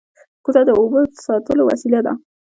کوزه د اوبو د ساتلو وسیله ده